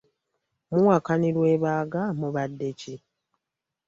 Muwakanirwa ebaagwa mubadde ki?